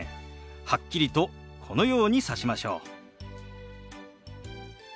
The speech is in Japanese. はっきりとこのようにさしましょう。